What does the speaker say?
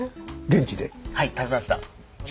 はい食べました。